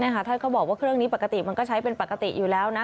ท่านก็บอกว่าเครื่องนี้ปกติมันก็ใช้เป็นปกติอยู่แล้วนะ